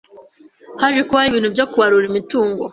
haje kubaho ibintu byo kubarura imitungo,